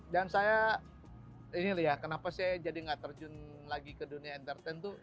dan saya ini liah kenapa saya jadi gak terjun lagi ke dunia entertainment tuh